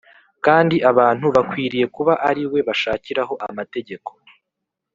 kandi abantu bakwiriye kuba ari we bashakiraho amategeko